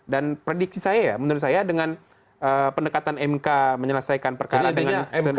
dan prediksi saya ya menurut saya dengan pendekatan mk menyelesaikan perkara dengan serba berbeda